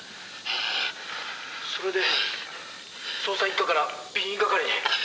「それで捜査一課から備品係へ？